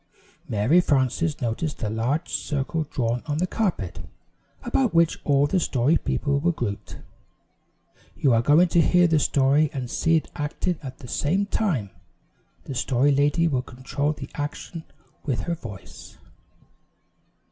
Mary Frances noticed a large circle drawn on the carpet, about which all the Story People were grouped. "You are going to hear the story and see it acted at the same time. The Story Lady will control the action with her voice."